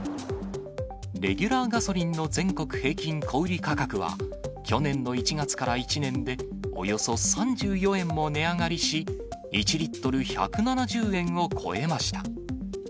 レギュラーガソリンの全国平均小売り価格は、去年の１月から１年で、およそ３４円も値上がりし、１リットル１７０円を超えました。